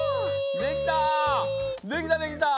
できた。